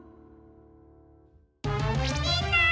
みんな！